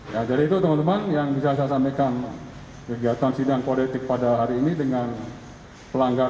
ya jadi itu teman teman yang bisa saya sampaikan kegiatan sidang kodetik pada hari ini dengan pelanggar